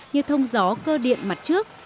như thông gió cơ điện mặt trước